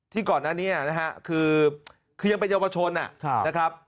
ก่อนนั้นเนี่ยนะฮะคือยังเป็นเยาวชนนะครับ